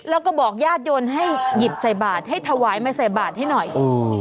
แล้วก็บอกญาติโยนให้หยิบใส่บาทให้ถวายมาใส่บาทให้หน่อยอืม